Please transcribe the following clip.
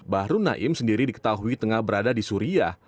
bahru naim sendiri diketahui tengah berada di suriah